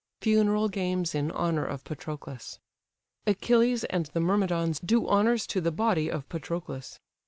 FUNERAL GAMES IN HONOUR OF PATROCLUS. Achilles and the Myrmidons do honours to the body of Patroclus.